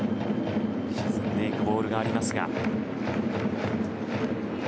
沈んでいくボールがありますが。